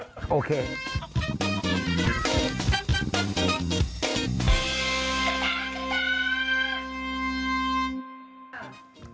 สบึมสบึมสบึม